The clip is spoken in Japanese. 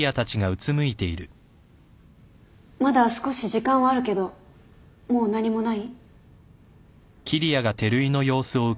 まだ少し時間はあるけどもう何もない？